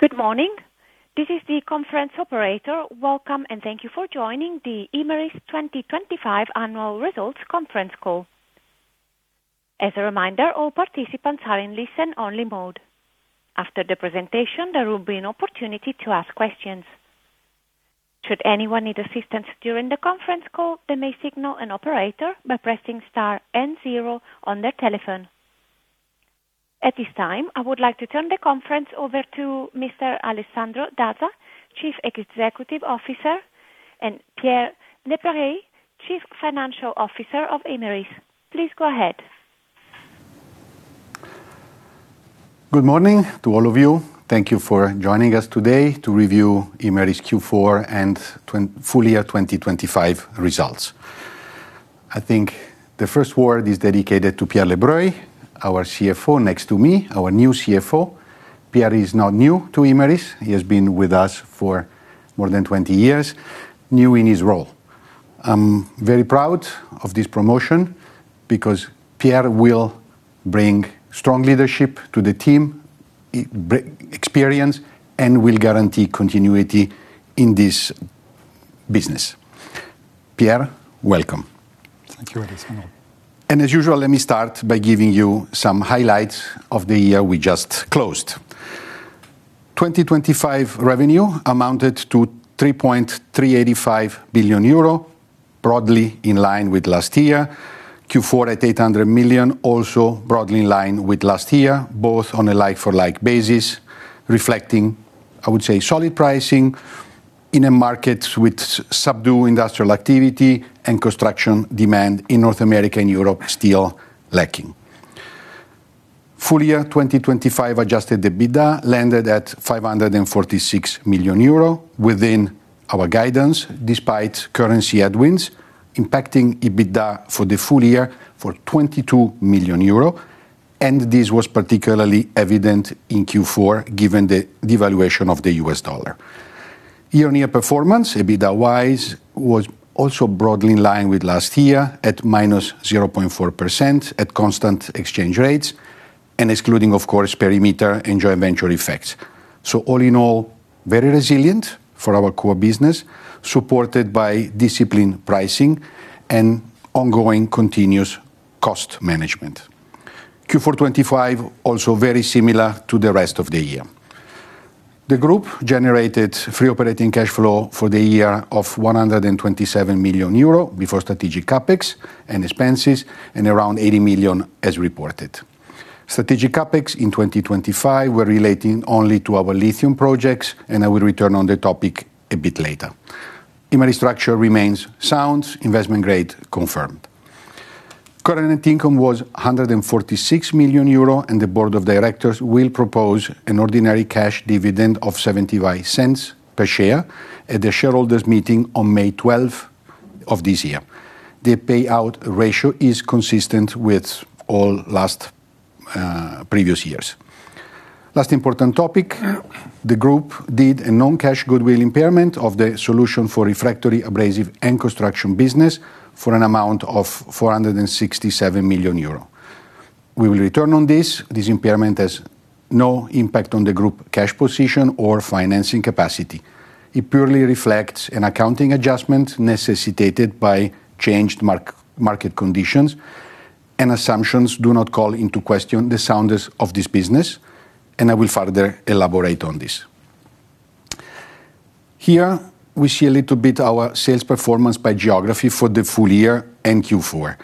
Good morning. This is the conference operator. Welcome, and thank you for joining the Imerys 2025 Annual Results conference call. As a reminder, all participants are in listen-only mode. After the presentation, there will be an opportunity to ask questions. Should anyone need assistance during the conference call, they may signal an operator by pressing star and zero on their telephone. At this time, I would like to turn the conference over to Mr. Alessandro Dazza, Chief Executive Officer, and Pierre Lebreuil, Chief Financial Officer of Imerys. Please go ahead. Good morning to all of you. Thank you for joining us today to review Imerys Q4 and full year 2025 results. I think the first word is dedicated to Pierre Lebreuil, our CFO next to me, our new CFO. Pierre is not new to Imerys. He has been with us for more than 20 years, new in his role. I'm very proud of this promotion because Pierre will bring strong leadership to the team, experience, and will guarantee continuity in this business. Pierre, welcome. Thank you, Alessandro. And as usual, let me start by giving you some highlights of the year we just closed. 2025 revenue amounted to 3.385 billion euro, broadly in line with last year. Q4 at 800 million, also broadly in line with last year, both on a like-for-like basis, reflecting, I would say, solid pricing in a market with subdued industrial activity and construction demand in North America and Europe still lacking. Full year 2025 Adjusted EBITDA landed at 546 million euro, within our guidance, despite currency headwinds impacting EBITDA for the full year for 22 million euro, and this was particularly evident in Q4, given the devaluation of the U.S. dollar. Year-on-year performance, EBITDA-wise, was also broadly in line with last year, at -0.4% at constant exchange rates and excluding, of course, perimeter and joint venture effects. All in all, very resilient for our core business, supported by disciplined pricing and ongoing continuous cost management. Q4 2025, also very similar to the rest of the year. The group generated free operating cash flow for the year of 127 million euro before strategic CapEx and expenses, and around 80 million as reported. Strategic CapEx in 2025 were relating only to our lithium projects, and I will return on the topic a bit later. Imerys structure remains sound, investment grade confirmed. Current income was 146 million euro, and the board of directors will propose an ordinary cash dividend of 0.75 per share at the shareholders' meeting on May 12th of this year. The payout ratio is consistent with all last, previous years. Last important topic, the group did a non-cash goodwill impairment of the Solutions for Refractory, Abrasives and Construction business for an amount of 467 million euro. We will return on this. This impairment has no impact on the group cash position or financing capacity. It purely reflects an accounting adjustment necessitated by changed mark-to-market conditions, and assumptions do not call into question the soundness of this business, and I will further elaborate on this. Here we see a little bit our sales performance by geography for the full year and Q4.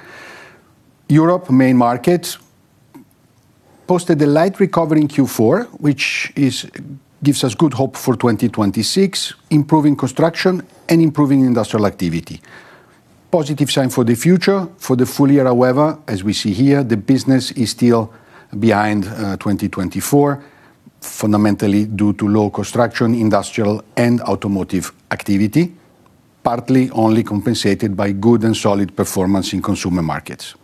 Europe, main market, posted a light recovery in Q4, which is... gives us good hope for 2026, improving construction and improving industrial activity. Positive sign for the future. For the full year, however, as we see here, the business is still behind 2024, fundamentally due to low construction, industrial, and automotive activity, partly only compensated by good and solid performance in consumer markets.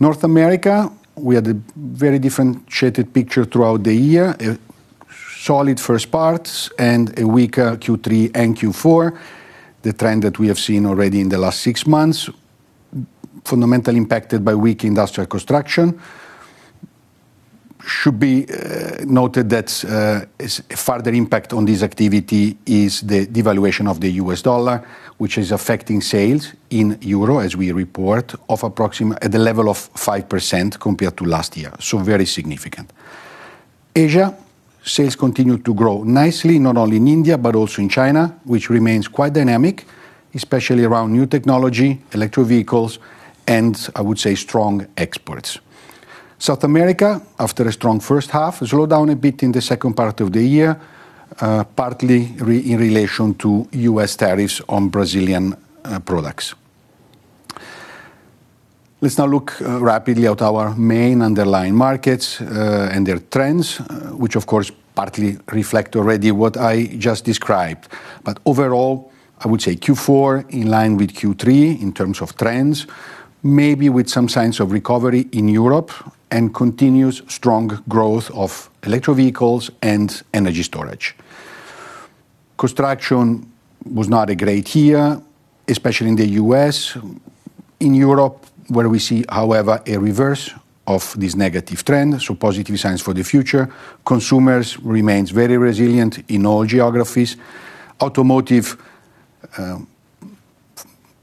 North America, we had a very different shaded picture throughout the year. A solid first parts and a weaker Q3 and Q4, the trend that we have seen already in the last six months, fundamentally impacted by weak industrial construction. It should be noted that, as a further impact on this activity, is the devaluation of the U.S. dollar, which is affecting sales in EUR, as we report, at the level of 5% compared to last year, so very significant. Asia, sales continued to grow nicely, not only in India, but also in China, which remains quite dynamic, especially around new technology, electric vehicles, and I would say strong exports. South America, after a strong first half, slowed down a bit in the second part of the year, partly in relation to U.S. tariffs on Brazilian products. Let's now look rapidly at our main underlying markets, and their trends, which of course, partly reflect already what I just described. Overall, I would say Q4, in line with Q3 in terms of trends, maybe with some signs of recovery in Europe and continuous strong growth of electric vehicles and energy storage. Construction was not a great year, especially in the U.S. In Europe, where we see, however, a reverse of this negative trend, positive signs for the future. Consumers remains very resilient in all geographies. Automotive,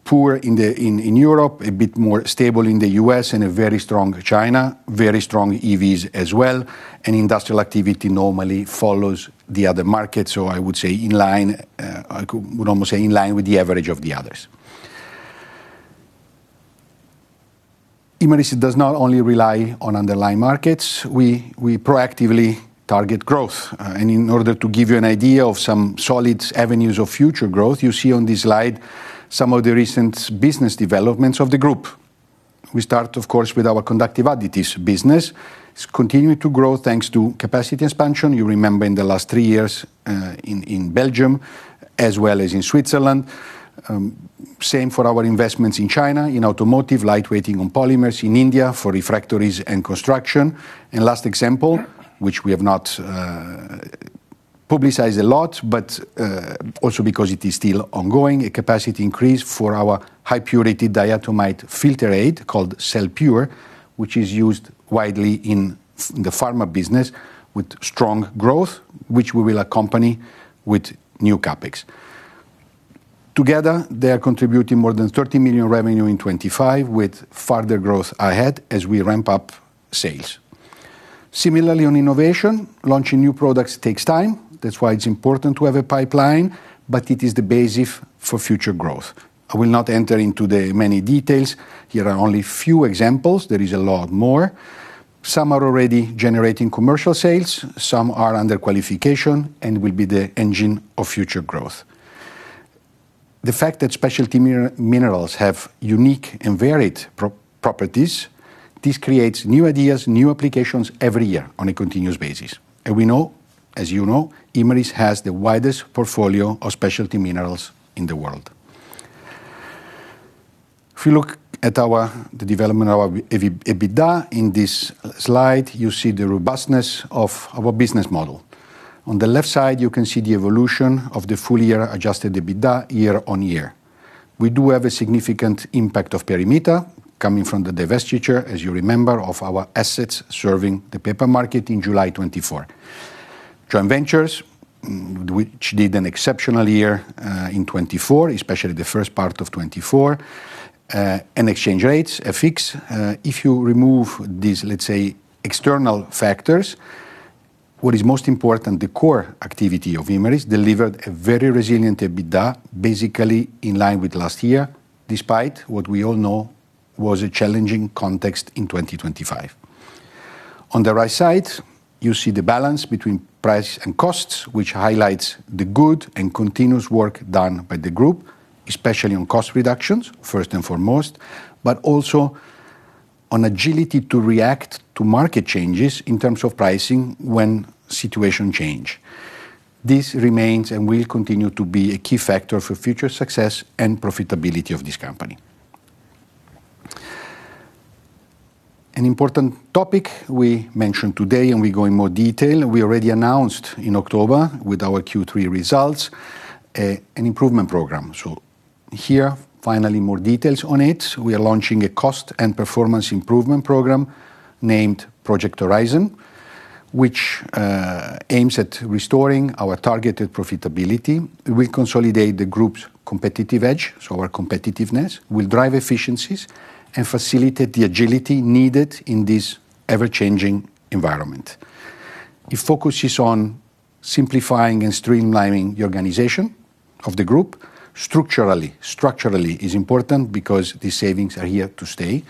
poor in Europe, a bit more stable in the U.S., and a very strong China, very strong EVs as well, and industrial activity normally follows the other markets, so I would say in line, I would almost say in line with the average of the others. Imerys does not only rely on underlying markets, we proactively target growth. And in order to give you an idea of some solid avenues of future growth, you see on this slide some of the recent business developments of the group. We start, of course, with our conductive additives business. It's continuing to grow thanks to capacity expansion. You remember in the last three years, in Belgium as well as in Switzerland. Same for our investments in China, in automotive, lightweighting and polymers, in India, for refractories and construction. And last example, which we have not publicized a lot, but also because it is still ongoing, a capacity increase for our high-purity diatomite filter aid, called Celpure, which is used widely in the pharma business, with strong growth, which we will accompany with new CapEx. Together, they are contributing more than 30 million revenue in 2025, with further growth ahead as we ramp up sales. Similarly, on innovation, launching new products takes time. That's why it's important to have a pipeline, but it is the basis for future growth. I will not enter into the many details. Here are only few examples. There is a lot more. Some are already generating commercial sales, some are under qualification and will be the engine of future growth. The fact that specialty minerals have unique and varied properties, this creates new ideas, new applications every year on a continuous basis. We know, as you know, Imerys has the widest portfolio of specialty minerals in the world. If you look at the development of our EBITDA in this slide, you see the robustness of our business model. On the left side, you can see the evolution of the full-year Adjusted EBITDA year-on-year. We do have a significant impact of perimeter coming from the divestiture, as you remember, of our assets serving the paper market in July 2024. Joint ventures, which did an exceptional year, in 2024, especially the first part of 2024, and exchange rates, FX. If you remove these, let's say, external factors, what is most important, the core activity of Imerys delivered a very resilient EBITDA, basically in line with last year, despite what we all know was a challenging context in 2025. On the right side, you see the balance between price and costs, which highlights the good and continuous work done by the group, especially on cost reductions, first and foremost, but also on agility to react to market changes in terms of pricing when situation change. This remains and will continue to be a key factor for future success and profitability of this company. An important topic we mentioned today, and we go in more detail, we already announced in October with our Q3 results, an improvement program. So here, finally, more details on it. We are launching a cost and performance improvement program named Project Horizon, which aims at restoring our targeted profitability. We consolidate the group's competitive edge, so our competitiveness, will drive efficiencies and facilitate the agility needed in this ever-changing environment. It focuses on simplifying and streamlining the organization of the group. Structurally, structurally is important because the savings are here to stay.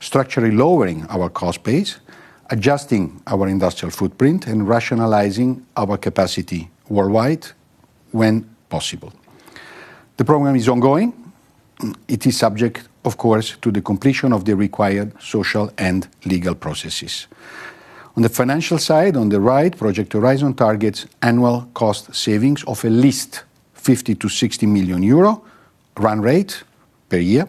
Structurally lowering our cost base, adjusting our industrial footprint, and rationalizing our capacity worldwide when possible. The program is ongoing. It is subject, of course, to the completion of the required social and legal processes. On the financial side, on the right, Project Horizon targets annual cost savings of at least 50 million-60 million euro run rate per year,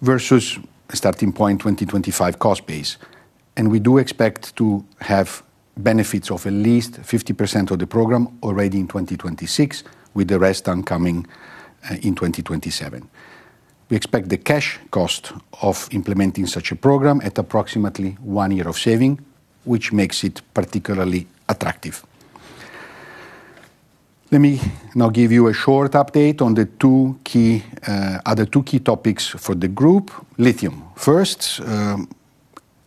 versus starting point 2025 cost base. We do expect to have benefits of at least 50% of the program already in 2026, with the rest upcoming in 2027. We expect the cash cost of implementing such a program at approximately one year of saving, which makes it particularly attractive. Let me now give you a short update on the two key other two key topics for the group. Lithium. First,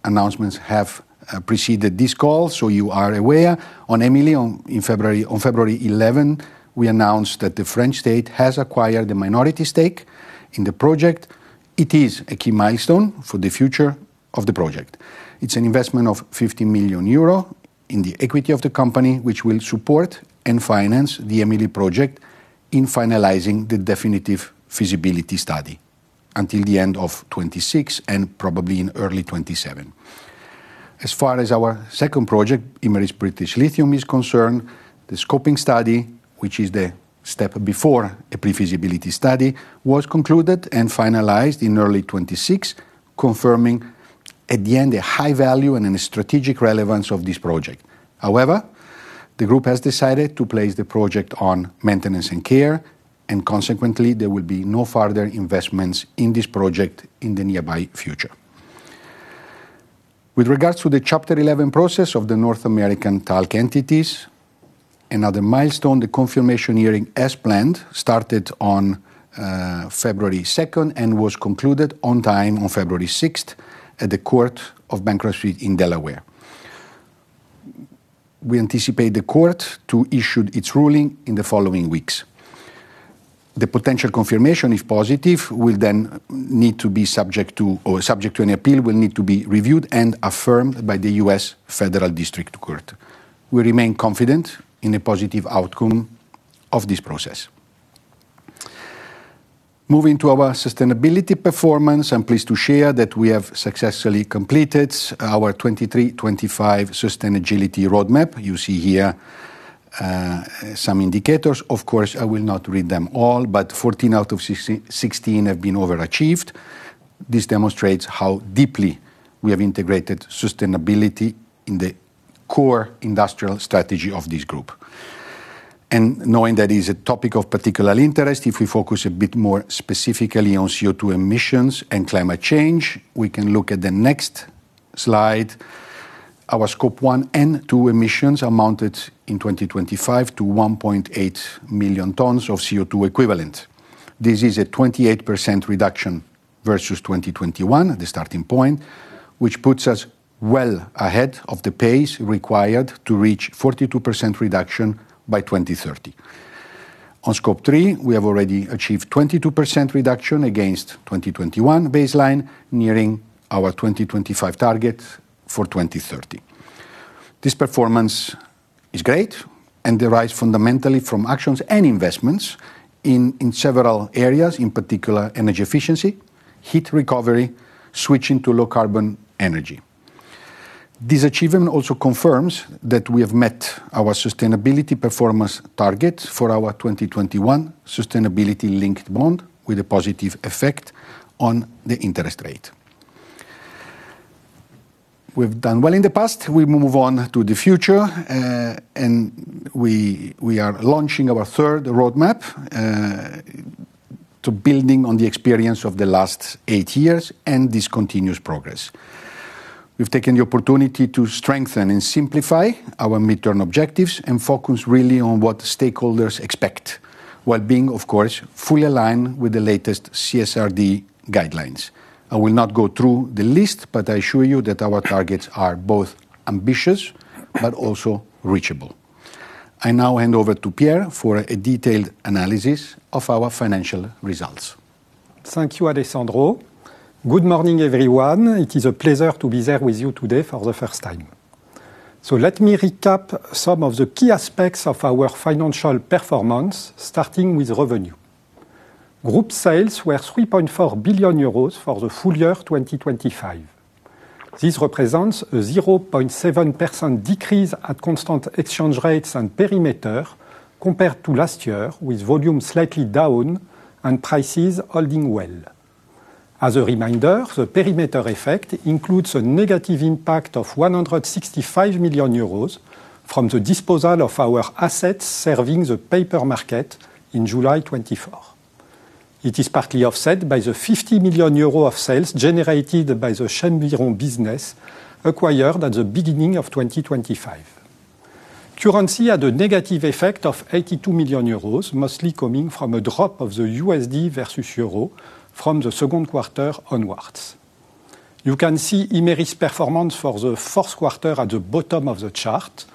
announcements have preceded this call, so you are aware. On EMILI, on in February, on February 11, we announced that the French state has acquired a minority stake in the project. It is a key milestone for the future of the project. It's an investment of 50 million euro in the equity of the company, which will support and finance the EMILI project in finalizing the definitive feasibility study until the end of 2026 and probably in early 2027. As far as our second project, Imerys British Lithium, is concerned, the scoping study, which is the step before a pre-feasibility study, was concluded and finalized in early 2026, confirming, at the end, a high value and a strategic relevance of this project. However, the group has decided to place the project on care and maintenance, and consequently, there will be no further investments in this project in the nearby future. With regards to the Chapter 11 process of the North American talc entities, another milestone, the confirmation hearing as planned, started on February 2nd and was concluded on time on February 6th at the Court of Bankruptcy in Delaware. We anticipate the court to issue its ruling in the following weeks. The potential confirmation, if positive, will then need to be subject to an appeal, will need to be reviewed and affirmed by the U.S. Federal District Court. We remain confident in a positive outcome of this process. Moving to our sustainability performance, I'm pleased to share that we have successfully completed our 2023-2025 sustainability roadmap. You see here some indicators. Of course, I will not read them all, but 14 out of 16 have been overachieved. This demonstrates how deeply we have integrated sustainability in the core industrial strategy of this group. And knowing that is a topic of particular interest, if we focus a bit more specifically on CO2 emissions and climate change, we can look at the next slide. Our Scope 1 and 2 emissions amounted in 2025 to 1.8 million tons of CO2 equivalent. This is a 28% reduction versus 2021, the starting point, which puts us well ahead of the pace required to reach 42% reduction by 2030. On Scope 3, we have already achieved 22% reduction against 2021 baseline, nearing our 2025 target for 2030. This performance is great and derives fundamentally from actions and investments in several areas, in particular, energy efficiency, heat recovery, switching to low-carbon energy. This achievement also confirms that we have met our sustainability performance target for our 2021 Sustainability-Linked Bond, with a positive effect on the interest rate. We've done well in the past. We move on to the future, and we are launching our third roadmap to building on the experience of the last eight years and this continuous progress. We've taken the opportunity to strengthen and simplify our midterm objectives and focus really on what stakeholders expect, while being, of course, fully aligned with the latest CSRD guidelines. I will not go through the list, but I assure you that our targets are both ambitious, but also reachable. I now hand over to Pierre for a detailed analysis of our financial results. Thank you, Alessandro. Good morning, everyone. It is a pleasure to be there with you today for the first time. So let me recap some of the key aspects of our financial performance, starting with revenue. Group sales were 3.4 billion euros for the full year 2025. This represents a 0.7% decrease at constant exchange rates and perimeter compared to last year, with volume slightly down and prices holding well. As a reminder, the perimeter effect includes a negative impact of 165 million euros from the disposal of our assets serving the paper market in July 2024. It is partly offset by the 50 million euro of sales generated by the Chemviron business acquired at the beginning of 2025. Currency had a negative effect of 82 million euros, mostly coming from a drop of the USD versus euro from the second quarter onwards. You can see Imerys' performance for the fourth quarter at the bottom of the chart.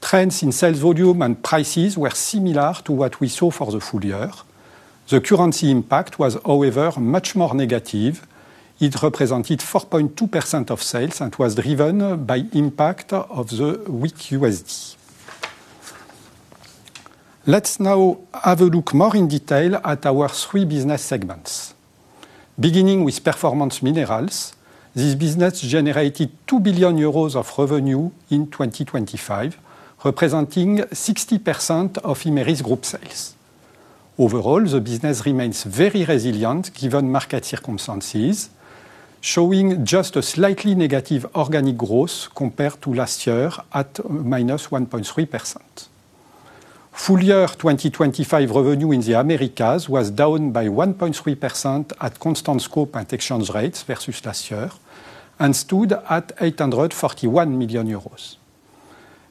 Trends in sales volume and prices were similar to what we saw for the full year. The currency impact was, however, much more negative. It represented 4.2% of sales and was driven by impact of the weak USD. Let's now have a look more in detail at our three business segments. Beginning with Performance Minerals, this business generated 2 billion euros of revenue in 2025, representing 60% of Imerys Group sales. Overall, the business remains very resilient, given market circumstances, showing just a slightly negative organic growth compared to last year at -1.3%. Full year 2025 revenue in the Americas was down by 1.3% at constant scope and exchange rates versus last year, and stood at 841 million euros.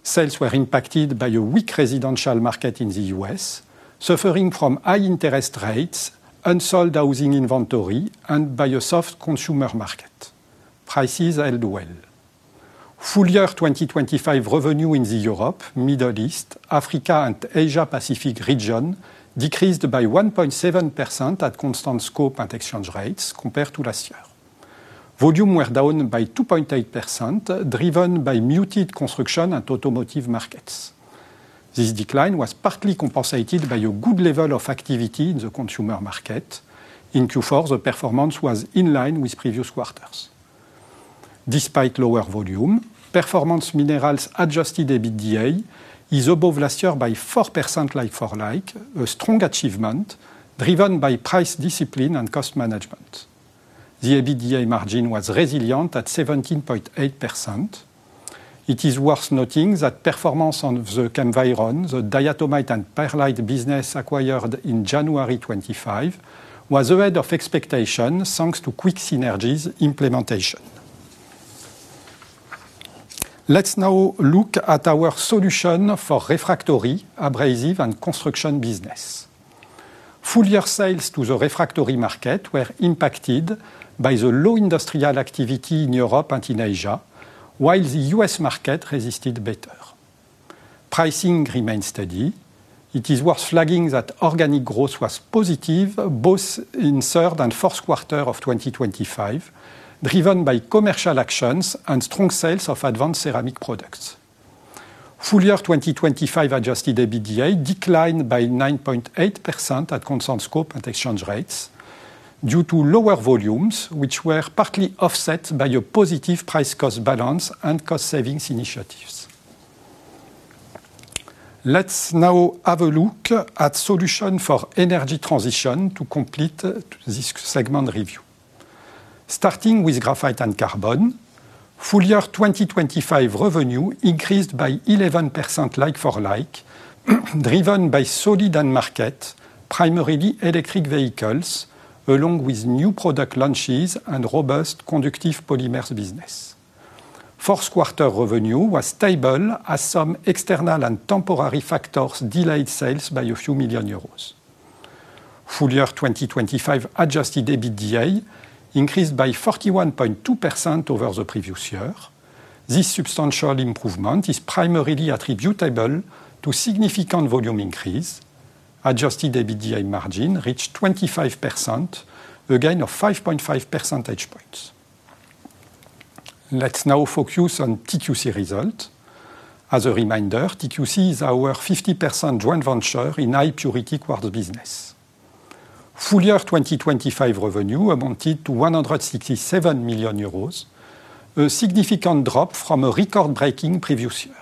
Sales were impacted by a weak residential market in the U.S., suffering from high interest rates, unsold housing inventory, and by a soft consumer market. Prices held well. Full year 2025 revenue in the Europe, Middle East, Africa, and Asia-Pacific region decreased by 1.7% at constant scope and exchange rates compared to last year. Volumes were down by 2.8%, driven by muted construction and automotive markets. This decline was partly compensated by a good level of activity in the consumer market. In Q4, the performance was in line with previous quarters. Despite lower volume, Performance Minerals Adjusted EBITDA is above last year by 4% like-for-like, a strong achievement driven by price discipline and cost management. The EBITDA margin was resilient at 17.8%. It is worth noting that performance on the Chemviron, the diatomite and perlite business acquired in January 2025, was ahead of expectation, thanks to quick synergies implementation. Let's now look at our Solutions for Refractory, Abrasives and Construction business. Full year sales to the refractory market were impacted by the low industrial activity in Europe and in Asia, while the U.S. market resisted better. Pricing remained steady. It is worth flagging that organic growth was positive, both in third and fourth quarter of 2025, driven by commercial actions and strong sales of advanced ceramic products. Full year 2025 Adjusted EBITDA declined by 9.8% at constant scope and exchange rates due to lower volumes, which were partly offset by a positive price-cost balance and cost savings initiatives. Let's now have a look at Solutions for Energy Transition to complete this segment review. Starting with Graphite & Carbon, full year 2025 revenue increased by 11% like for like, driven by solid end market, primarily electric vehicles, along with new product launches and robust conductive polymers business. Fourth quarter revenue was stable as some external and temporary factors delayed sales by a few million euros. Full year 2025 Adjusted EBITDA increased by 41.2% over the previous year. This substantial improvement is primarily attributable to significant volume increase. Adjusted EBITDA margin reached 25%, a gain of 5.5 percentage points. Let's now focus on TQC result. As a reminder, TQC is our 50% joint venture in high-purity quartz business. Full year 2025 revenue amounted to 167 million euros, a significant drop from a record-breaking previous year.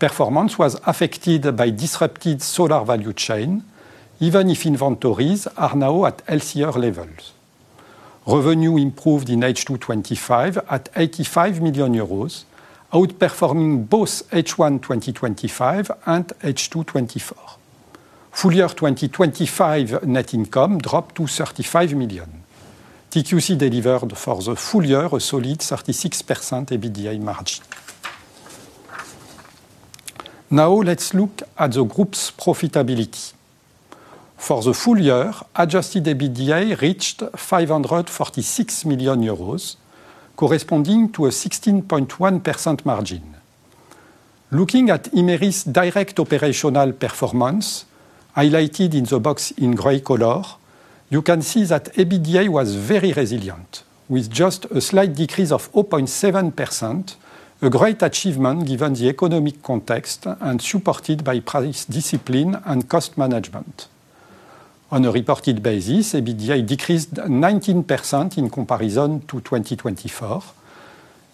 Performance was affected by disrupted solar value chain, even if inventories are now at healthier levels. Revenue improved in H2 2025 at 85 million euros, outperforming both H1 2025 and H2 2024. Full year 2025 net income dropped to 35 million. TQC delivered for the full year a solid 36% EBITDA margin. Now let's look at the group's profitability. For the full year, Adjusted EBITDA reached 546 million euros, corresponding to a 16.1% margin. Looking at Imerys's direct operational performance, highlighted in the box in gray color, you can see that EBITDA was very resilient, with just a slight decrease of 0.7%, a great achievement given the economic context and supported by price discipline and cost management. On a reported basis, EBITDA decreased 19% in comparison to 2024.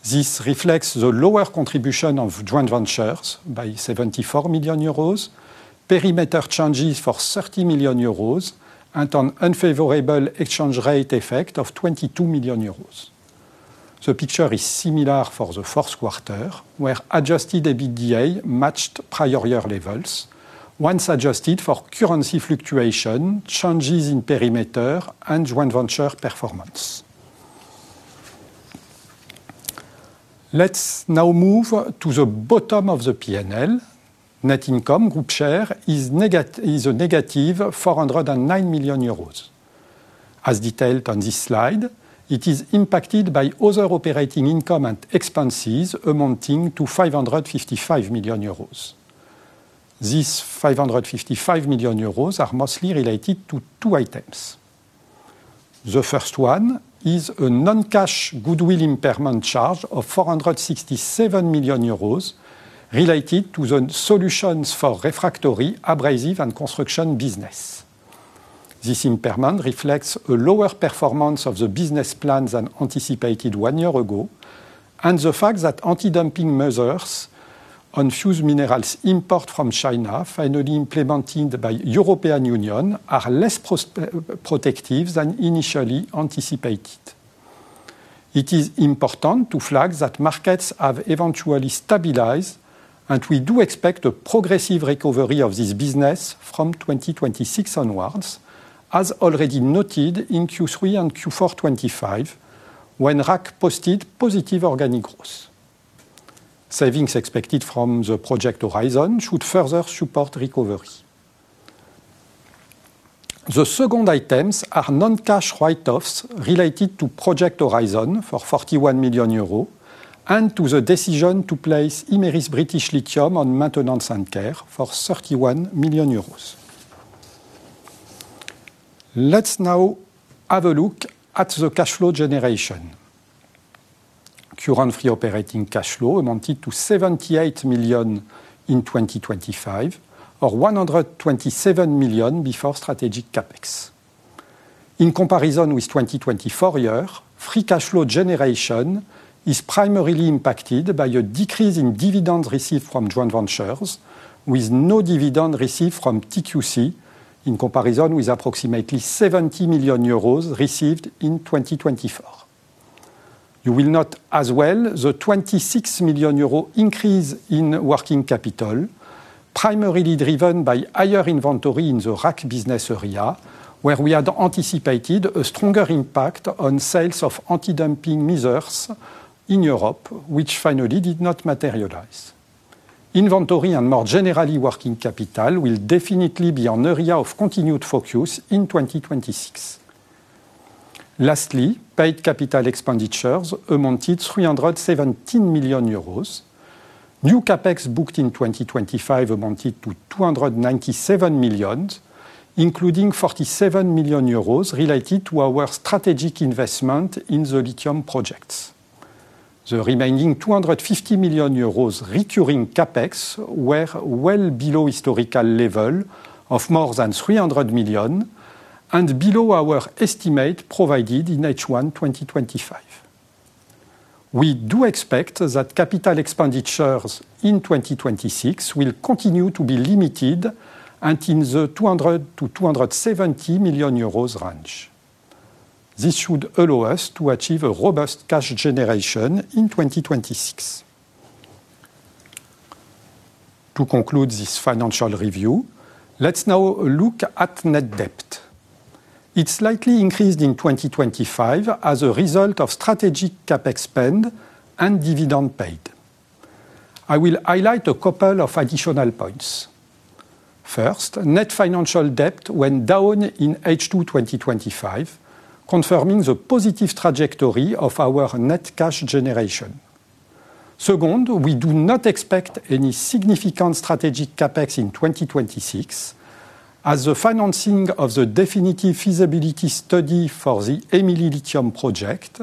This reflects the lower contribution of joint ventures by 74 million euros, perimeter changes for 30 million euros, and an unfavorable exchange rate effect of 22 million euros. The picture is similar for the fourth quarter, where Adjusted EBITDA matched prior year levels once adjusted for currency fluctuation, changes in perimeter, and joint venture performance. Let's now move to the bottom of the P&L. Net income group share is a negative 409 million euros. As detailed on this slide, it is impacted by other operating income and expenses amounting to 555 million euros. These 555 million euros are mostly related to two items. The first one is a non-cash goodwill impairment charge of 467 million euros related to the Solutions for Refractory, Abrasives and Construction business. This impairment reflects a lower performance of the business plan than anticipated one year ago, and the fact that antidumping measures on fused minerals import from China, finally implemented by European Union, are less protective than initially anticipated. It is important to flag that markets have eventually stabilized, and we do expect a progressive recovery of this business from 2026 onwards, as already noted in Q3 and Q4 2025, when RAC posted positive organic growth. Savings expected from the Project Horizon should further support recovery. The second items are non-cash write-offs related to Project Horizon for 41 million euro and to the decision to place Imerys British Lithium on care and maintenance for 31 million euros. Let's now have a look at the cash flow generation. Current free operating cash flow amounted to 78 million in 2025, or 127 million before strategic CapEx. In comparison with 2024, free cash flow generation is primarily impacted by a decrease in dividends received from joint ventures, with no dividend received from TQC in comparison with approximately 70 million euros received in 2024. You will note as well the 26 million euros increase in working capital, primarily driven by higher inventory in the RAC business area, where we had anticipated a stronger impact on sales of anti-dumping measures in Europe, which finally did not materialize. Inventory, and more generally, working capital, will definitely be an area of continued focus in 2026. Lastly, paid capital expenditures amounted three hundred and seventeen million euros. New CapEx booked in 2025 amounted to 297 million, including 47 million euros related to our strategic investment in the lithium projects. The remaining 250 million euros recurring CapEx were well below historical level of more than 300 million, and below our estimate provided in H1 2025. We do expect that capital expenditures in 2026 will continue to be limited and in the 200 million-270 million euros range. This should allow us to achieve a robust cash generation in 2026. To conclude this financial review, let's now look at net debt. It slightly increased in 2025 as a result of strategic CapEx spend and dividend paid. I will highlight a couple of additional points. First, net financial debt went down in H2 2025, confirming the positive trajectory of our net cash generation. Second, we do not expect any significant strategic CapEx in 2026, as the financing of the definitive feasibility study for the EMILI lithium project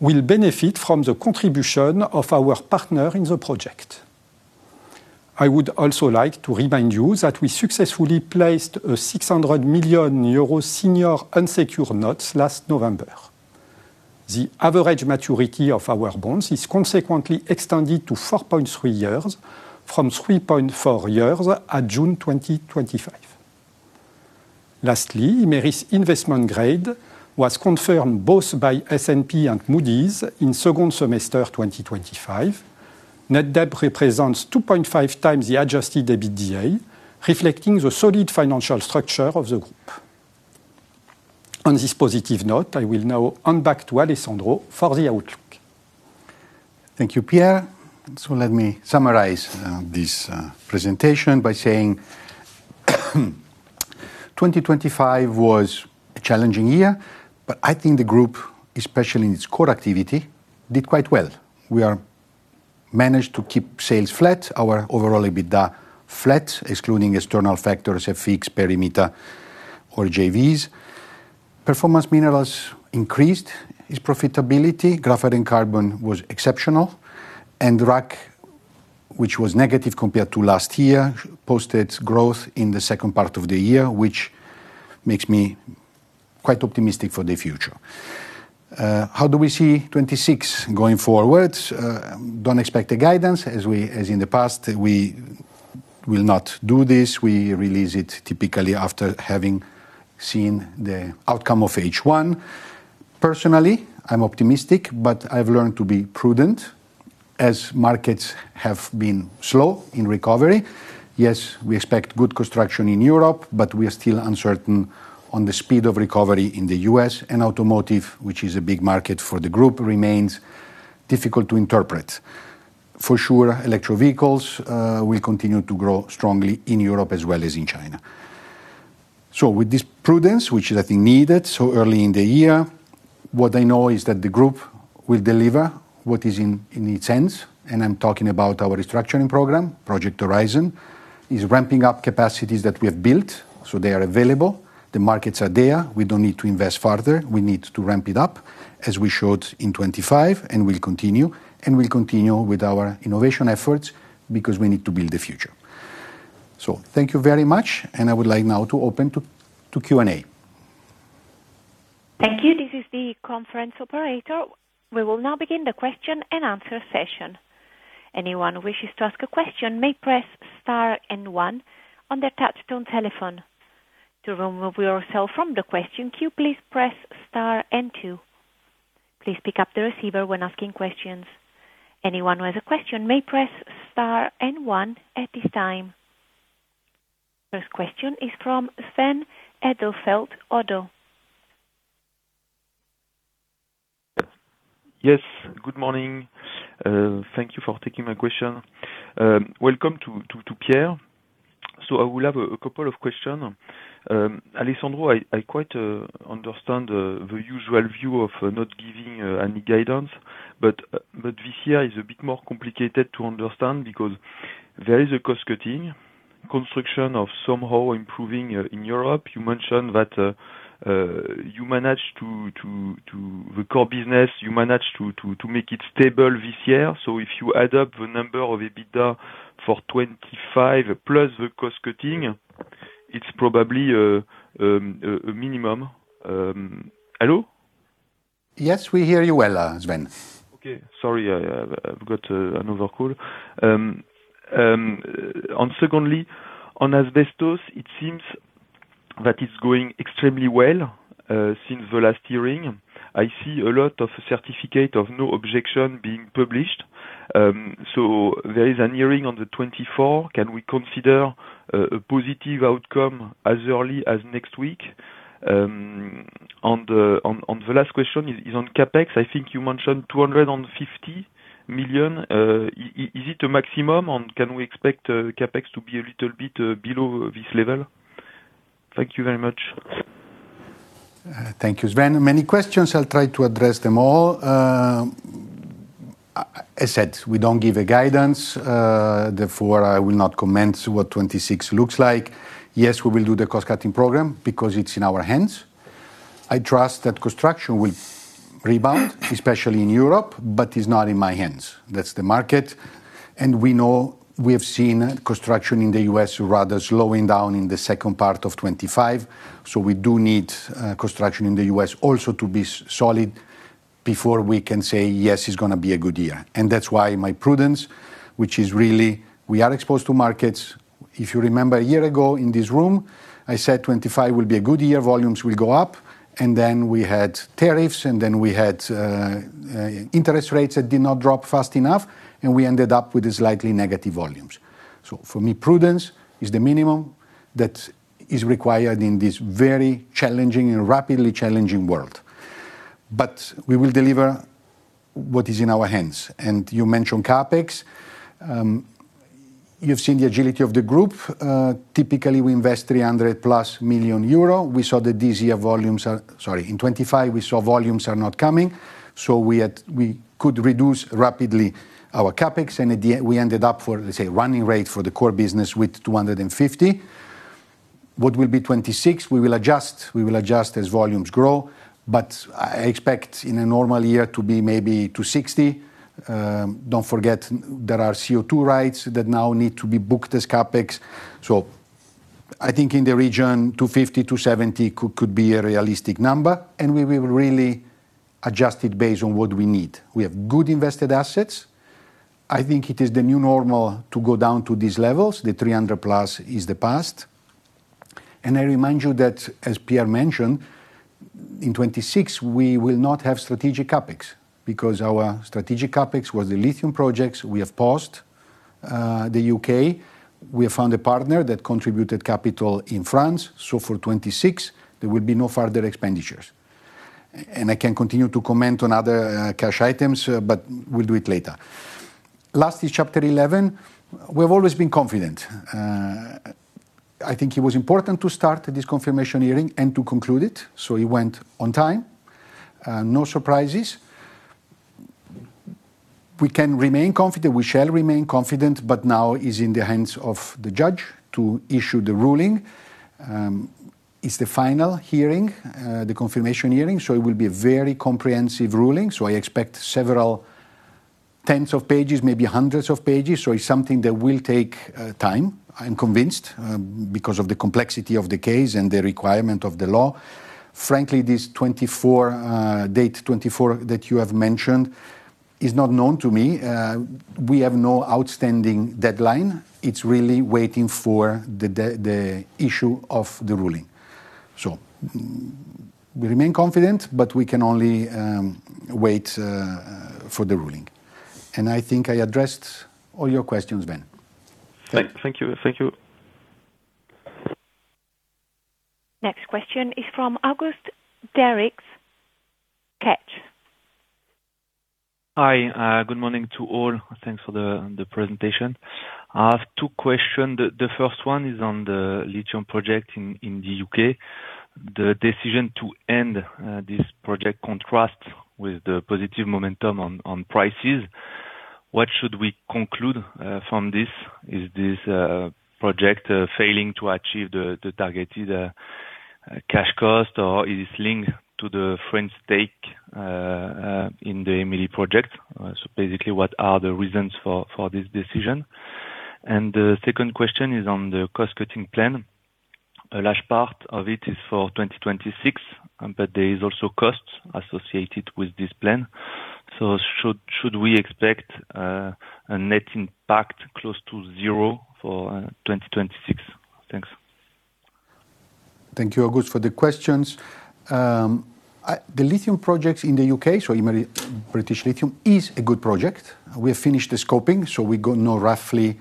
will benefit from the contribution of our partner in the project. I would also like to remind you that we successfully placed 600 million euro senior unsecured notes last November. The average maturity of our bonds is consequently extended to 4.3 years, from 3.4 years at June 2025. Lastly, Imerys' investment grade was confirmed both by S&P and Moody's in second semester 2025. Net debt represents 2.5x the Adjusted EBITDA, reflecting the solid financial structure of the group. On this positive note, I will now hand back to Alessandro for the outlook. Thank you, Pierre. So let me summarize this presentation by saying, 2025 was a challenging year, but I think the group, especially in its core activity, did quite well. We managed to keep sales flat, our overall EBITDA flat, excluding external factors, FX, perimeter or JVs. Performance Minerals increased its profitability. Graphite & Carbon was exceptional, and RAC, which was negative compared to last year, posted growth in the second part of the year, which makes me quite optimistic for the future. How do we see 2026 going forward? Don't expect a guidance. As in the past, we will not do this. We release it typically after having seen the outcome of H1. Personally, I'm optimistic, but I've learned to be prudent as markets have been slow in recovery. Yes, we expect good construction in Europe, but we are still uncertain on the speed of recovery in the U.S., and automotive, which is a big market for the group, remains difficult to interpret. For sure, electric vehicles will continue to grow strongly in Europe as well as in China. With this prudence, which is, I think, needed so early in the year, what I know is that the group will deliver what is in its hands, and I'm talking about our restructuring program. Project Horizon is ramping up capacities that we have built, so they are available. The markets are there. We don't need to invest further. We need to ramp it up, as we showed in 25, and we'll continue. We'll continue with our innovation efforts, because we need to build the future. Thank you very much, and I would like now to open to Q&A. Thank you. This is the conference operator. We will now begin the question-and-answer session. Anyone who wishes to ask a question may press star and one on their touchtone telephone. To remove yourself from the question queue, please press star and two. Please pick up the receiver when asking questions. Anyone who has a question may press star and one at this time. First question is from Sven Edelfelt, ODDO. Yes, good morning. Thank you for taking my question. Welcome to Pierre. I will have a couple of questions. Alessandro, I quite understand the usual view of not giving any guidance, but this year is a bit more complicated to understand because there is a cost cutting, construction of somehow improving in Europe. You mentioned that you managed to, the core business, you managed to make it stable this year. If you add up the number of EBITDA for 2025, plus the cost cutting, it's probably a minimum. Hello? Yes, we hear you well, Sven. Okay. Sorry, I’ve got another call. Secondly, on asbestos, it seems that is going extremely well since the last hearing. I see a lot of certificate of no objection being published. So there is a hearing on the twenty-fourth. Can we consider a positive outcome as early as next week? The last question is on CapEx. I think you mentioned 250 million. Is it a maximum, or can we expect CapEx to be a little bit below this level? Thank you very much. Thank you, Sven. Many questions, I'll try to address them all. I said, we don't give a guidance, therefore, I will not comment what 2026 looks like. Yes, we will do the cost-cutting program because it's in our hands. I trust that construction will rebound, especially in Europe, but it's not in my hands. That's the market, and we know we have seen construction in the U.S. rather slowing down in the second part of 2025, so we do need construction in the U.S. also to be solid before we can say, "Yes, it's gonna be a good year." And that's why my prudence, which is really we are exposed to markets. If you remember, a year ago in this room, I said 2025 will be a good year, volumes will go up, and then we had tariffs, and then we had interest rates that did not drop fast enough, and we ended up with slightly negative volumes. So for me, prudence is the minimum that is required in this very challenging and rapidly challenging world. But we will deliver what is in our hands. And you mentioned CapEx. You've seen the agility of the group. Typically, we invest 300+ million euro. We saw in 2025, volumes are not coming, so we could reduce rapidly our CapEx, and at the end, we ended up for, let's say, running rate for the core business with 250 million. What will be 2026? We will adjust, we will adjust as volumes grow, but I expect in a normal year to be maybe 260 million. Don't forget, there are CO2 rights that now need to be booked as CapEx. I think in the region 250 million-270 million could be a realistic number, and we will really adjust it based on what we need. We have good invested assets. I think it is the new normal to go down to these levels. The 300 million plus is the past. I remind you that, as Pierre mentioned, in 2026, we will not have strategic CapEx, because our strategic CapEx was the lithium projects we have paused. The U.K., we have found a partner that contributed capital in France, so for 2026, there will be no further expenditures. I can continue to comment on other cash items, but we'll do it later. Last is Chapter 11. We've always been confident. I think it was important to start this confirmation hearing and to conclude it, so it went on time, no surprises. We can remain confident, we shall remain confident, but now it's in the hands of the judge to issue the ruling. It's the final hearing, the confirmation hearing, so it will be a very comprehensive ruling. I expect several tens of pages, maybe hundreds of pages. It's something that will take time, I'm convinced, because of the complexity of the case and the requirement of the law. Frankly, this 2024, date 2024 that you have mentioned is not known to me. We have no outstanding deadline. It's really waiting for the issue of the ruling. So we remain confident, but we can only wait for the ruling. And I think I addressed all your questions, Sven. Thank you. Thank you. Next question is from Auguste Deryckx. Hi, good morning to all. Thanks for the presentation. I have two question. The first one is on the lithium project in the U.K. The decision to end this project contrast with the positive momentum on prices. What should we conclude from this? Is this project failing to achieve the targeted cash cost, or is it linked to the French stake in the EMILI project? So basically, what are the reasons for this decision? And the second question is on the cost-cutting plan. A large part of it is for 2026, but there is also costs associated with this plan. So should we expect a net impact close to zero for 2026? Thanks. Thank you, Auguste, for the questions. The lithium projects in the U.K., so Imerys British Lithium, is a good project. We have finished the scoping, so we now know roughly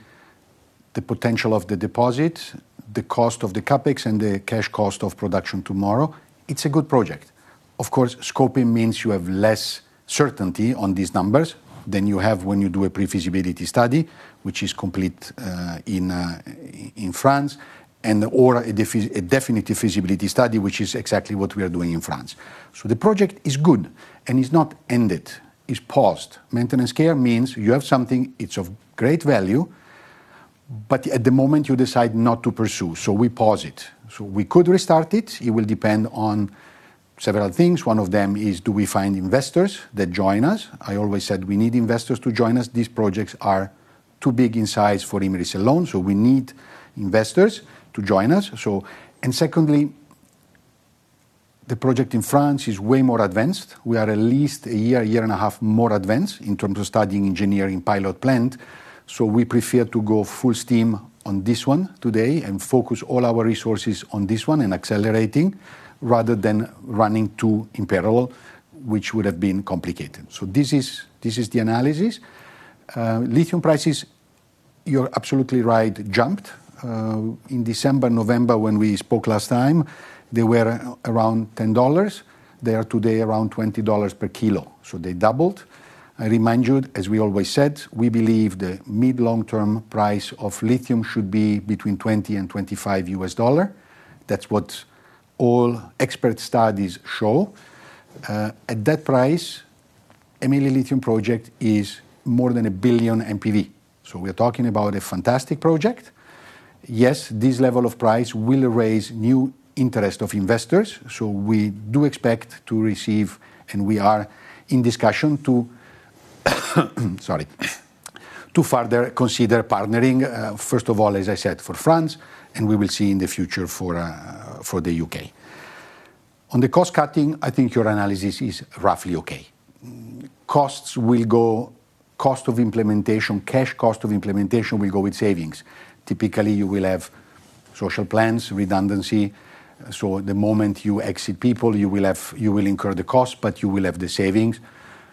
the potential of the deposit, the cost of the CapEx, and the cash cost of production tomorrow. It's a good project. Of course, scoping means you have less certainty on these numbers than you have when you do a pre-feasibility study, which is complete in France, or a definitive feasibility study, which is exactly what we are doing in France. So the project is good and is not ended, is paused. Care and maintenance means you have something, it's of great value, but at the moment you decide not to pursue, so we pause it. So we could restart it. It will depend on several things. One of them is: Do we find investors that join us? I always said we need investors to join us. These projects are too big in size for Imerys alone, so we need investors to join us, so... And secondly, the project in France is way more advanced. We are at least a year, a year and a half more advanced in terms of studying engineering pilot plant. So we prefer to go full steam on this one today and focus all our resources on this one and accelerating, rather than running two in parallel, which would have been complicated. So this is the analysis. Lithium prices, you're absolutely right, jumped. In December, November, when we spoke last time, they were around $10. They are today around $20 per kilo, so they doubled. I remind you, as we always said, we believe the mid long-term price of lithium should be between $20 and $25. That's what all expert studies show. At that price, EMILI lithium project is more than $1 billion NPV. So we are talking about a fantastic project. Yes, this level of price will raise new interest of investors, so we do expect to receive, and we are in discussion to, sorry, to further consider partnering, first of all, as I said, for France, and we will see in the future for the U.K. On the cost cutting, I think your analysis is roughly okay. Costs will go—cost of implementation, cash cost of implementation will go with savings. Typically, you will have social plans, redundancy, so the moment you exit people, you will have, you will incur the cost, but you will have the savings.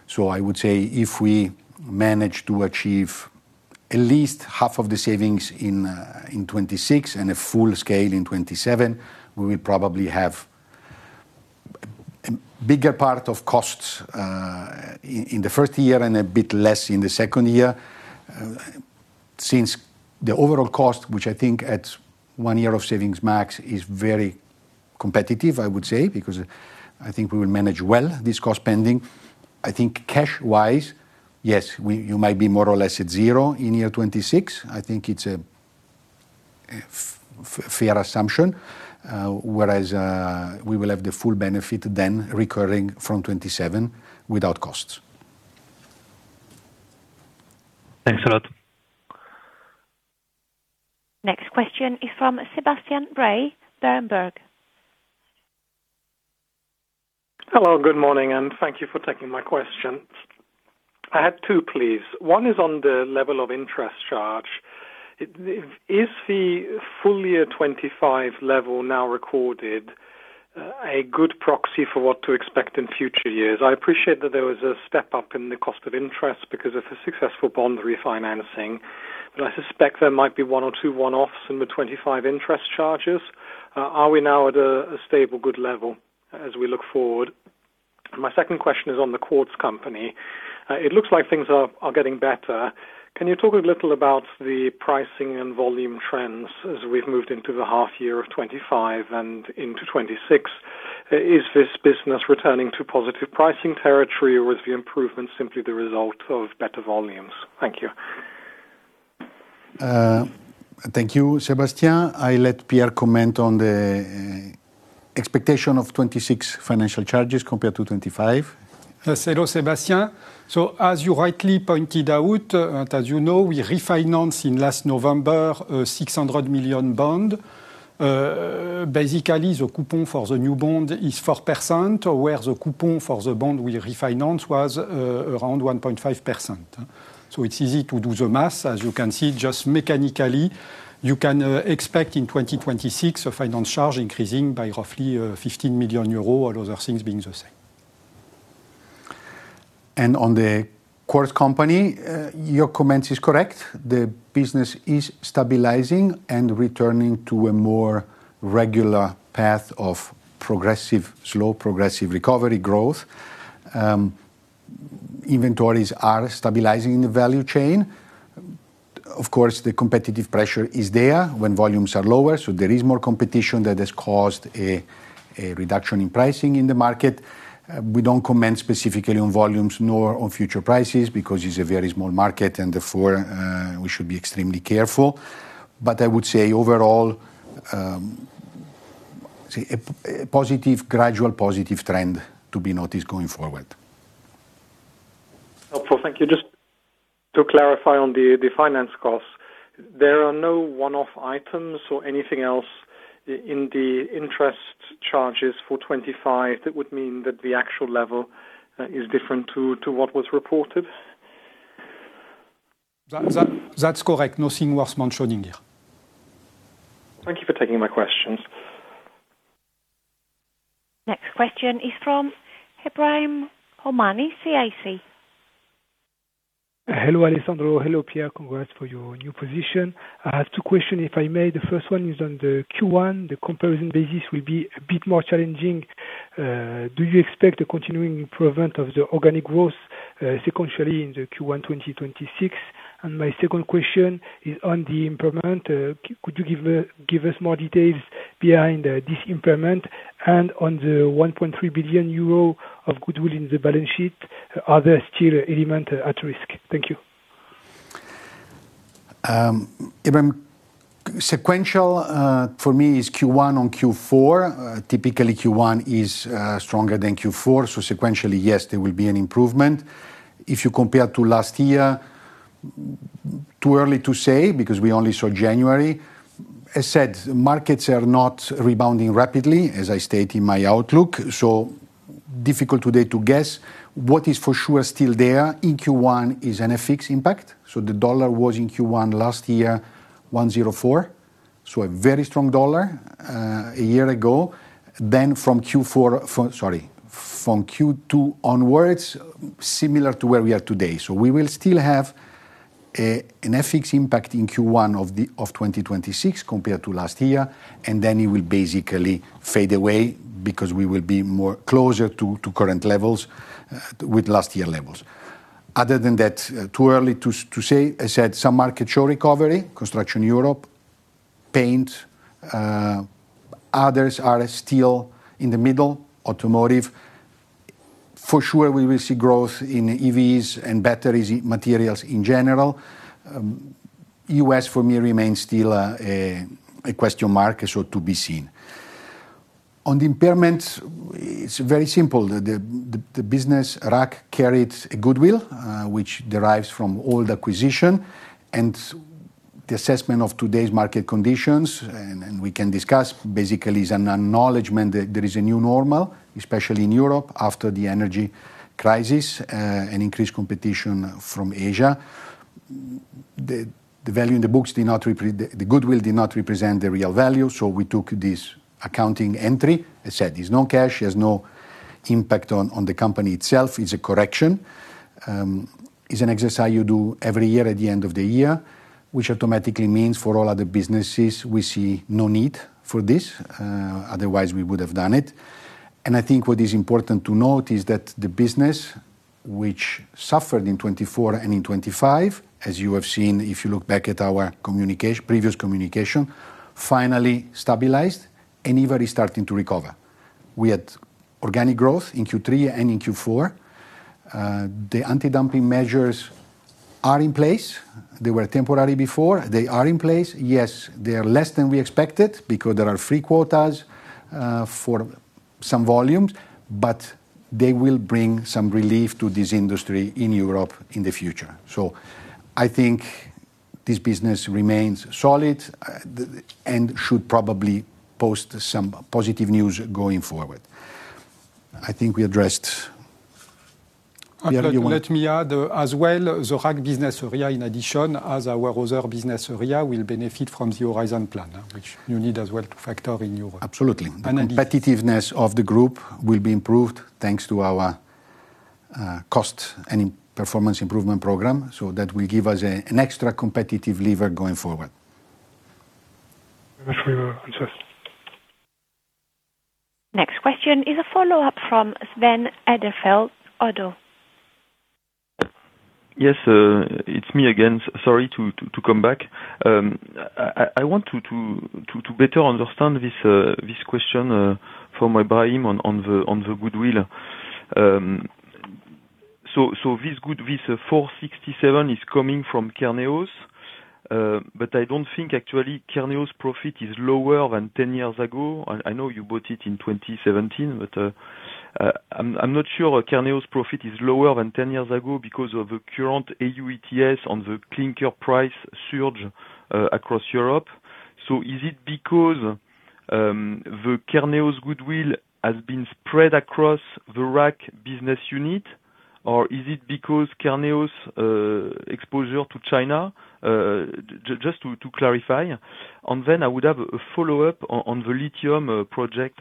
So I would say if we manage to achieve at least half of the savings in 2026 and a full scale in 2027, we will probably have a bigger part of costs in the first year and a bit less in the second year. Since the overall cost, which I think adds one year of savings max, is very competitive, I would say, because I think we will manage well this cost pending. I think cash-wise, yes, we, you might be more or less at zero in year 2026. I think it's a fair assumption, whereas, we will have the full benefit then recurring from 2027 without costs. Thanks a lot. Next question is from Sebastian Bray, Berenberg. Hello, good morning, and thank you for taking my questions. I have two, please. One is on the level of interest charge. Is the full year 2025 level now recorded a good proxy for what to expect in future years? I appreciate that there was a step-up in the cost of interest because of the successful bond refinancing, but I suspect there might be one or two one-offs in the 2025 interest charges. Are we now at a stable, good level as we look forward? My second question is on The Quartz Corp. It looks like things are getting better. Can you talk a little about the pricing and volume trends as we've moved into the half year of 2025 and into 2026? Is this business returning to positive pricing territory, or is the improvement simply the result of better volumes? Thank you. Thank you, Sebastian. I let Pierre comment on the expectation of 2026 financial charges compared to 2025. Hello, Sebastian. As you rightly pointed out, and as you know, we refinanced in last November, 600 million bond. Basically, the coupon for the new bond is 4%, where the coupon for the bond we refinanced was around 1.5%. It's easy to do the math. As you can see, just mechanically, you can expect in 2026 a finance charge increasing by roughly 15 million euros, all other things being the same. On The Quartz Corp, your comment is correct. The business is stabilizing and returning to a more regular path of slow, progressive recovery growth. Inventories are stabilizing the value chain. Of course, the competitive pressure is there when volumes are lower, so there is more competition that has caused a reduction in pricing in the market. We don't comment specifically on volumes nor on future prices, because it's a very small market, and therefore, we should be extremely careful. I would say overall, see a gradual positive trend to be noticed going forward. Thank you. Just to clarify on the finance costs, there are no one-off items or anything else in the interest charges for 2025 that would mean that the actual level is different to what was reported? That's correct. Nothing worth mentioning here. Thank you for taking my questions. Next question is from Ebrahim Homani, CIC. Hello, Alessandro. Hello, Pierre. Congrats for your new position. I have two questions, if I may. The first one is on the Q1. The comparison basis will be a bit more challenging. Do you expect the continuing improvement of the organic growth, sequentially in the Q1 2026? My second question is on the improvement. Could you give, give us more details behind this improvement? And on the 1.3 billion euro of goodwill in the balance sheet, are there still elements at risk? Thank you. Ebrahim, sequential, for me, is Q1 on Q4. Typically, Q1 is stronger than Q4, so sequentially, yes, there will be an improvement. If you compare to last year, too early to say, because we only saw January. As said, markets are not rebounding rapidly, as I stated in my outlook, so difficult today to guess. What is for sure still there in Q1 is an FX impact, so the dollar was in Q1 last year, 104, so a very strong dollar, a year ago. Then from Q4, sorry, from Q2 onwards, similar to where we are today. So we will still have an FX impact in Q1 of 2026 compared to last year, and then it will basically fade away because we will be more closer to current levels with last year levels. Other than that, too early to say. I said some markets show recovery, construction Europe, paint, others are still in the middle, automotive. For sure, we will see growth in EVs and batteries, materials in general. U.S. for me remains still a question mark, so to be seen. On the impairment, it's very simple. The business RAC carried a goodwill which derives from old acquisition and the assessment of today's market conditions, and we can discuss. Basically is an acknowledgment that there is a new normal, especially in Europe, after the energy crisis, and increased competition from Asia. The value in the books, the goodwill, did not represent the real value, so we took this accounting entry. I said, there's no cash, there's no impact on the company itself. It's a correction. It's an exercise you do every year at the end of the year, which automatically means for all other businesses, we see no need for this, otherwise we would have done it. I think what is important to note is that the business which suffered in 2024 and in 2025, as you have seen, if you look back at our communication, previous communication, finally stabilized, and even is starting to recover. We had organic growth in Q3 and in Q4. The anti-dumping measures are in place. They were temporary before. They are in place. Yes, they are less than we expected because there are free quotas, for some volumes, but they will bring some relief to this industry in Europe in the future. So I think this business remains solid, and should probably post some positive news going forward. I think we addressed- Let me add as well, the RAC business area, in addition, as our other business area, will benefit from the Horizon plan, which you need as well to factor in your- Absolutely. And- The competitiveness of the group will be improved thanks to our cost and performance improvement program, so that will give us an extra competitive lever going forward. Thank you for your answers. Next question is a follow-up from Sven Edelfelt, ODDO. Yes, it's me again. Sorry to come back. I want to better understand this question from Ebrahim on the goodwill. So this 467 million is coming from Kerneos, but I don't think actually Kerneos' profit is lower than ten years ago. I know you bought it in 2017, but I'm not sure Kerneos' profit is lower than ten years ago because of the current EU ETS on the clinker price surge across Europe. So is it because the Kerneos goodwill has been spread across the RAC business unit, or is it because Kerneos exposure to China? Just to clarify. And then I would have a follow-up on the lithium project.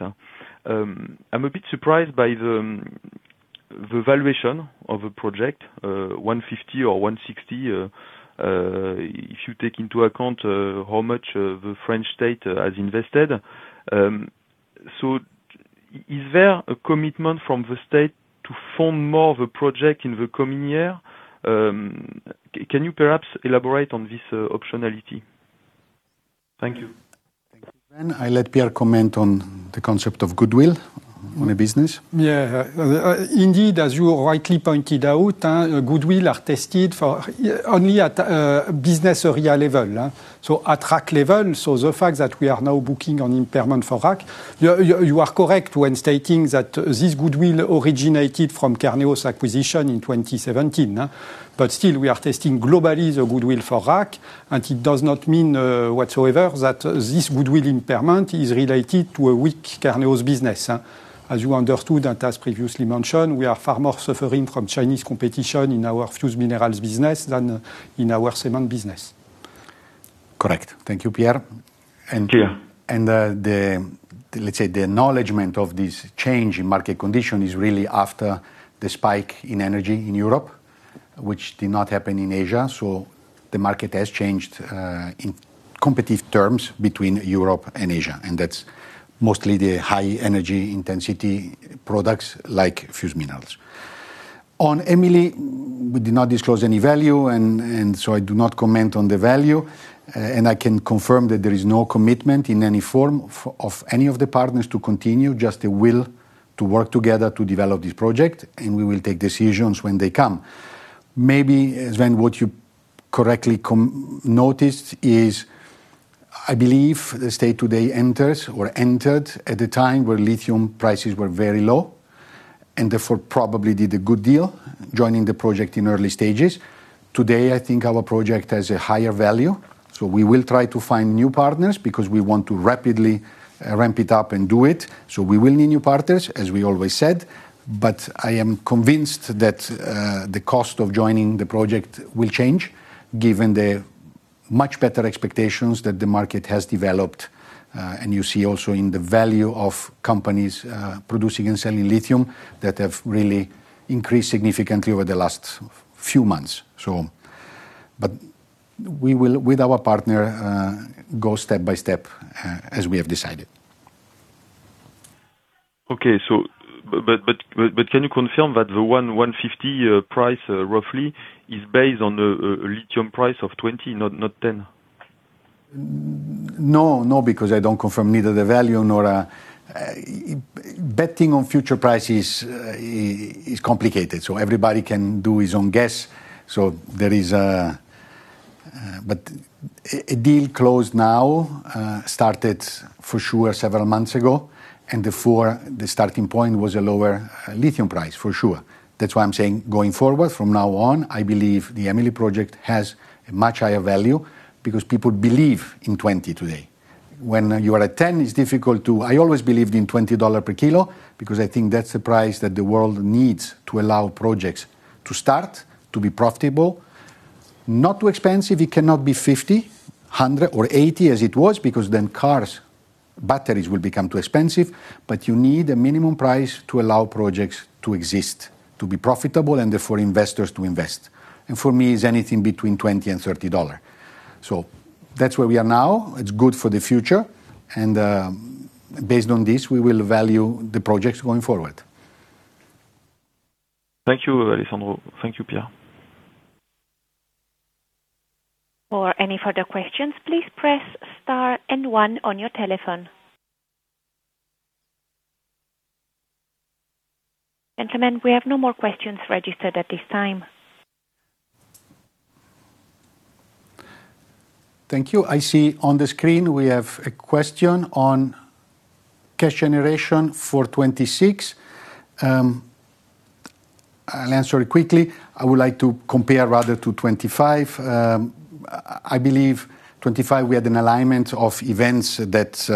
I'm a bit surprised by the valuation of the project, $150 or $160, if you take into account how much the French state has invested. Is there a commitment from the state to fund more of a project in the coming year? Can you perhaps elaborate on this optionality? Thank you. Thank you. Then I let Pierre comment on the concept of goodwill on a business. Yeah, indeed, as you rightly pointed out, goodwill are tested for only at a business area level. So at RAC level, the fact that we are now booking an impairment for RAC, you are correct when stating that this goodwill originated from Kerneos acquisition in 2017, but still, we are testing globally the goodwill for RAC, and it does not mean whatsoever that this goodwill impairment is related to a weak Kerneos business. As you understood, and as previously mentioned, we are far more suffering from Chinese competition in our fused minerals business than in our cement business. Correct. Thank you, Pierre. Yeah. The acknowledgment of this change in market condition is really after the spike in energy in Europe, which did not happen in Asia. The market has changed in competitive terms between Europe and Asia, and that's mostly the high energy intensity products like fused minerals. On EMILI, we did not disclose any value, and I do not comment on the value, and I can confirm that there is no commitment in any form of any of the partners to continue, just the will to work together to develop this project, and we will take decisions when they come. Maybe, Sven, what you correctly noticed is... I believe the state today enters or entered at the time where lithium prices were very low, and therefore, probably did a good deal joining the project in early stages. Today, I think our project has a higher value, so we will try to find new partners because we want to rapidly, ramp it up and do it. So we will need new partners, as we always said. But I am convinced that the cost of joining the project will change, given the much better expectations that the market has developed. And you see also in the value of companies, producing and selling lithium, that have really increased significantly over the last few months. So, but we will, with our partner, go step by step, as we have decided. Okay, but can you confirm that the $150 price, roughly, is based on the lithium price of $20, not $10? No, no, because I don't confirm neither the value nor betting on future prices. Betting on future prices is complicated, so everybody can do his own guess. There is a deal closed now, started for sure several months ago, and before the starting point was a lower lithium price, for sure. That's why I'm saying going forward from now on, I believe the EMILI project has a much higher value because people believe in $20 today. When you are at $10, it's difficult to—I always believed in $20 per kilo because I think that's the price that the world needs to allow projects to start to be profitable. Not too expensive, it cannot be $50, $100, or $80 as it was, because then cars' batteries will become too expensive. But you need a minimum price to allow projects to exist, to be profitable and therefore investors to invest. And for me, it's anything between $20 and $30. So that's where we are now. It's good for the future and, based on this, we will value the projects going forward. Thank you, Alessandro. Thank you, Pierre. For any further questions, please press star and one on your telephone. Gentlemen, we have no more questions registered at this time. Thank you. I see on the screen we have a question on cash generation for 2026. I would like to compare rather to 2025. I believe 2025, we had an alignment of events that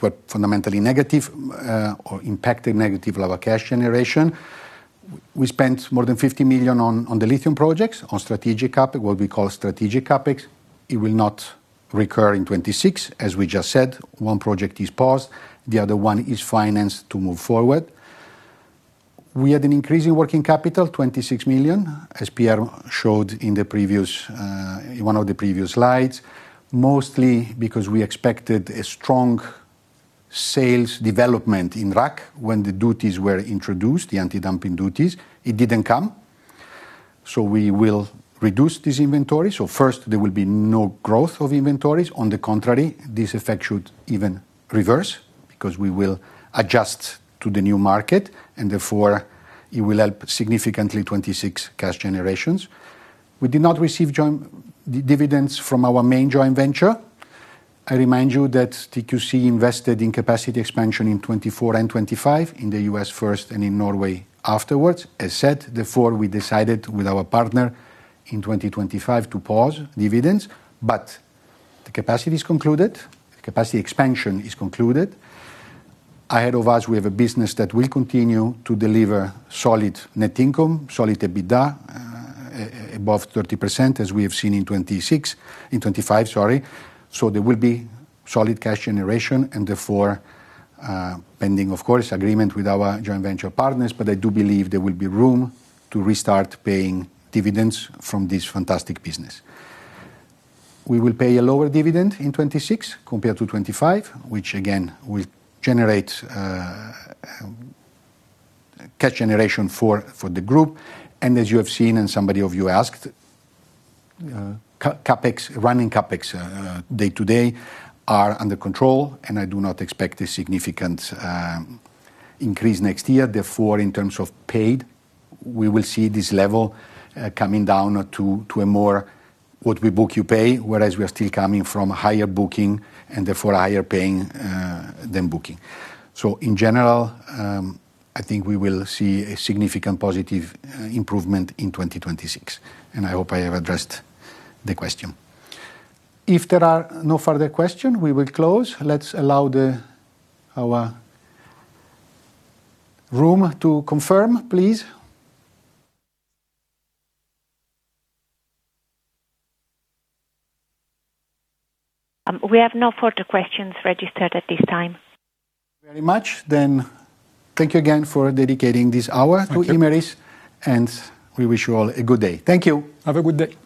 were fundamentally negative, or impacted negative level of cash generation. We spent more than 50 million on the lithium projects, on strategic CapEx, what we call strategic CapEx. It will not recur in 2026, as we just said, one project is paused, the other one is financed to move forward. We had an increase in working capital, 26 million, as Pierre showed in the previous, in one of the previous slides. Mostly because we expected a strong sales development in RAC when the duties were introduced, the anti-dumping duties, it didn't come, so we will reduce this inventory. So first, there will be no growth of inventories. On the contrary, this effect should even reverse, because we will adjust to the new market, and therefore it will help significantly 2026 cash generation. We did not receive joint dividends from our main joint venture. I remind you that TQC invested in capacity expansion in 2024 and 2025, in the U.S. first and in Norway afterwards. As said, therefore, we decided with our partner in 2025 to pause dividends, but the capacity is concluded. The capacity expansion is concluded. Ahead of us, we have a business that will continue to deliver solid net income, solid EBITDA, above 30%, as we have seen in 2026, in 2025, sorry. So there will be solid cash generation and therefore, pending, of course, agreement with our joint venture partners, but I do believe there will be room to restart paying dividends from this fantastic business. We will pay a lower dividend in 2026 compared to 2025, which again, will generate cash generation for the group. And as you have seen and somebody of you asked, CapEx, running CapEx, day-to-day are under control, and I do not expect a significant increase next year. Therefore, in terms of paid, we will see this level coming down to a more what we book you pay, whereas we are still coming from higher booking and therefore higher paying than booking. So in general, I think we will see a significant positive improvement in 2026, and I hope I have addressed the question. If there are no further question, we will close. Let's allow the... Our room to confirm, please. We have no further questions registered at this time. Very much. Then, thank you again for dedicating this hour- Thank you. -to Imerys, and we wish you all a good day. Thank you! Have a good day.